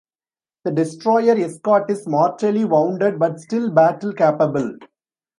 The destroyer escort is mortally wounded but still battle capable.